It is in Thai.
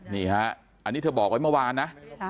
นี่ฮะอันนี้เธอบอกไว้เมื่อวานนะ